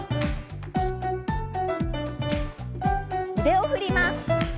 腕を振ります。